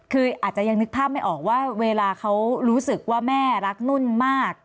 คืออาจจะยังนึกภาพไม่ออกว่าเวลาเขารู้สึกว่าแม่รักนุ่นมาก